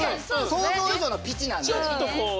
想像以上のピチなんで。